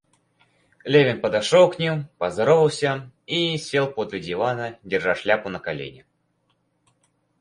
Левин подошел к ним, поздоровался и сел подле дивана, держа шляпу на колене.